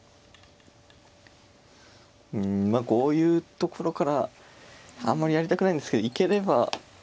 うんまあこういうところからあんまりやりたくないんですけど行ければ。